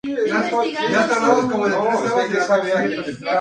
Están aplanados dorsoventralmente.